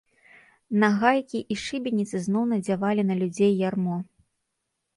Нагайкі і шыбеніцы зноў надзявалі на людзей ярмо.